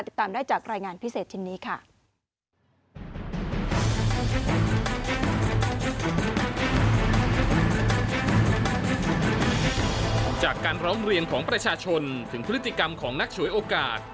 ติดตามได้จากรายงานพิเศษชิ้นนี้ค่ะ